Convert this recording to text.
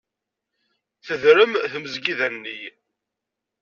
Tedrem tmesgida-nni.